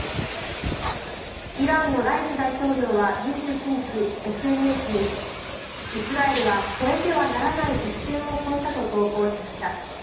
イランのライシ大統領は２９日ＳＮＳにイスラエルは越えてはならない一線を越えたと投稿しました。